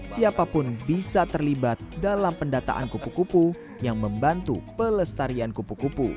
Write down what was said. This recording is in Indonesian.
siapapun bisa terlibat dalam pendataan kupu kupu yang membantu pelestarian kupu kupu